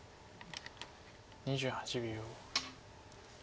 ２８秒。